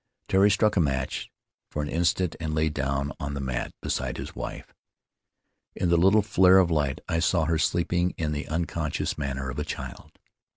Tari struck a match for an instant and lay down on the mat beside his wife. In the little flare of light I saw her sleeping in the unconscious manner of a child.